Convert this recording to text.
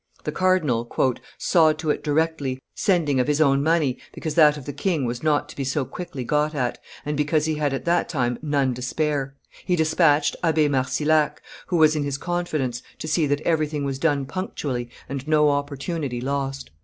The cardinal "saw to it directly, sending of his own money because that of the king was not to be so quickly got at, and because he had at that time none to spare; he despatched Abbe Marcillac, who was in his confidence, to see that everything was done punctually and no opportunity lost.